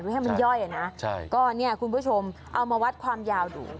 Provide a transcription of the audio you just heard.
ให้มันย่อยอ่ะนะใช่ก็เนี่ยคุณผู้ชมเอามาวัดความยาวดู